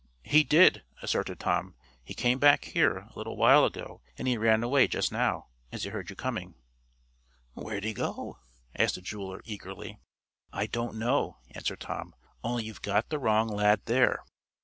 "He did," asserted Tom. "He came back here, a little while ago, and he ran away just now, as he heard you coming." "Where did he go?" asked the jeweler, eagerly. "I don't know," answered Tom. "Only you've got the wrong lad here."